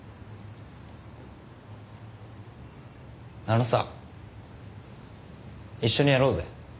あのさ一緒にやろうぜ。